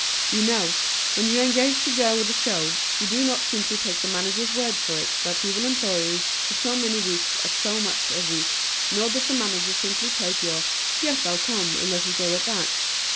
You know, when you engage to go with a show, you do not simply take the manager's word for it that he will employ you for so many weeks at so much a week, nor does the manager simply take your "Yes, I'll come," and let it go at that.